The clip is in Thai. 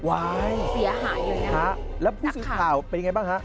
ว้ายค่ะแล้วผู้สืบข่าวเป็นอย่างไรบ้างคะ